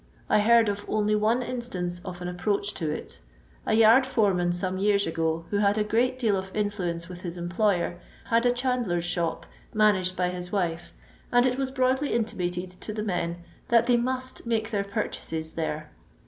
I heard of only one instance of an approach to it. A yard fore man, tome years ago, who bad a great deal of influence wiih his employer, hnd a chandler's ■hop, managed by his wife, and it was broadly intimated to the men that they must make their purchases there.